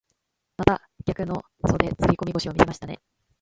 また逆の袖釣り込み腰を見せましたね。